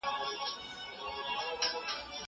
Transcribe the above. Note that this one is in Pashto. زه اوږده وخت ليک لولم وم!